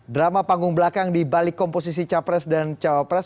drama panggung belakang di balik komposisi capres dan cawapres